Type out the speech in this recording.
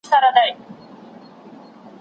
ناامیدي دلته ځای نه لري.